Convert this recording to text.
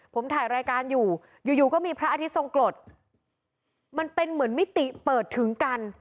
ผมถ่ายรายการอยู่อยู่ก็มีพระอาทิตยทรงกรดมันเป็นเหมือนมิติเปิดถึงกัน